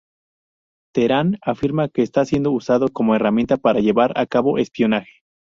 Teherán afirma que está siendo usado como herramienta para llevar a cabo espionaje.